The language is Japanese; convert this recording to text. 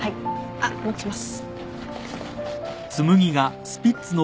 あっ持ちます。